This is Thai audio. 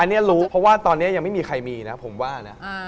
อันนี้รู้เพราะว่าตอนนี้ยังไม่มีใครมีนะผมว่านะ